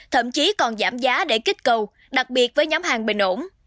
thậm chí còn giảm giá để kích cầu đặc biệt với nhóm hàng bình ổn